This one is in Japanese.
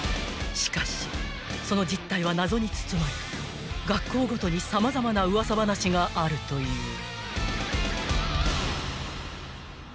［しかしその実態は謎に包まれ学校ごとに様々な噂話があるという］